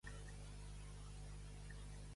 El porró fa el vi millor.